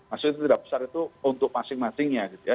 maksudnya tidak besar itu untuk masing masingnya